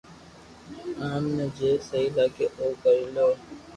آم ني جي سھي لاگي او ڪري ليو